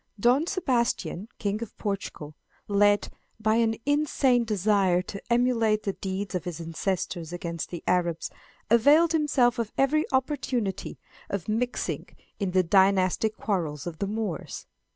Don Sebastian, King of Portugal, led by an insane desire to emulate the deeds of his ancestors against the Arabs, availed himself of every opportunity of mixing in the dynastic quarrels of the Moors.